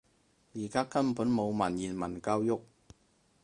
而家根本冇文言文教育